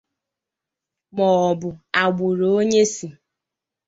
maọbụ àgbụrụ onye sì.